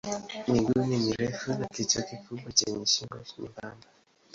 Miguu ni mirefu na kichwa kikubwa chenye shingo nyembamba.